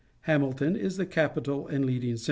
Hamilton is the capital and leading centre.